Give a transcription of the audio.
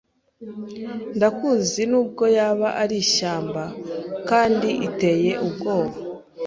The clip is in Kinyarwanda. Ndakuzi nubwo yaba ari ishyamba kandi iteye ubwoba